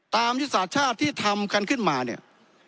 ยุทธศาสตร์ชาติที่ทำกันขึ้นมาเนี่ย